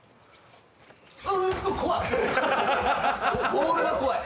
ボールが怖い。